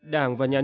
đảng và nhà nước